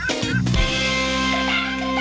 ให้เยอะ